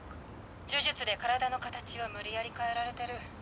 呪術で体の形を無理やり変えられてる。